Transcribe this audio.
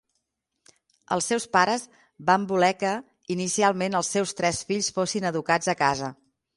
Els seus pares van voler que, inicialment, els seus tres fills fossin educats a casa.